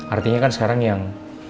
artinya kan sekarang yang